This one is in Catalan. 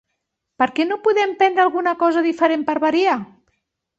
Per què no podem prendre alguna cosa diferent per variar?